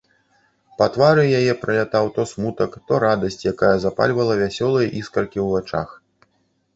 Па твары яе пралятаў то смутак, то радасць, якая запальвала вясёлыя іскаркі ў вачах.